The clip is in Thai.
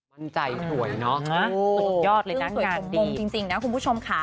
มั่นใจสวยเนอะอุ้มยอดเลยนะงานดีคือสวยของมงจริงนะคุณผู้ชมค่ะ